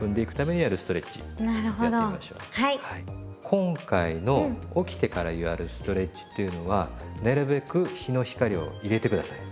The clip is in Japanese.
今回の起きてからやるストレッチっていうのはなるべく日の光を入れて下さい。